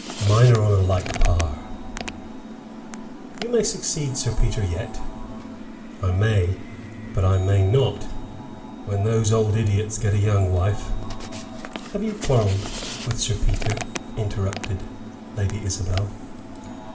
Mine are on a like par." "You may succeed Sir Peter yet." "I may, but I may not. When those old idiots get a young wife " "Have you quarreled with Sir Peter?" interrupted Lady Isabel.